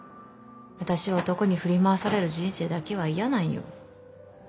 私は男に振り回される人生だけは嫌なんよ。